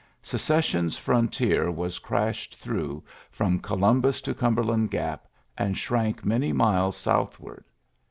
Secession's firontier was crashed through from Columbus to Cumberland Gap, and shrank many miles ^ southward.